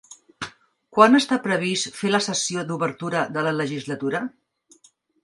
Quan està previst fer la sessió d'obertura de la legislatura?